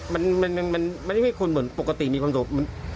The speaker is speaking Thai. มันไม่คุณเหมือนปกติมีความสุข